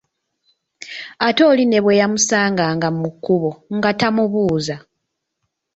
Ate oli ne bwe yamusanganga mu kkubo, nga tamubuuza.